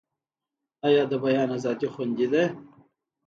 آیا د بیان ازادي خوندي ده؟